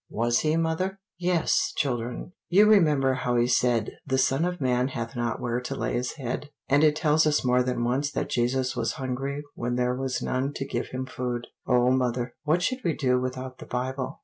"Was he, mother?" "Yes, children; you remember how he said, 'The Son of man hath not where to lay his head.' And it tells us more than once that Jesus was hungry when there was none to give him food." "O mother, what should we do without the Bible?"